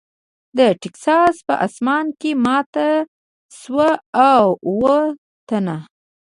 د ټیکساس په اسمان کې ماته شوه او اووه تنه .